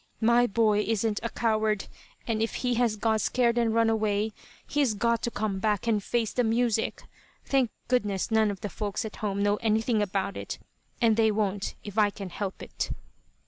My boy isn't a coward, and if he has got scared and run away, he's got to come back and face the music. Thank goodness none of the folks at home know anything about it, and they won't if I can help it."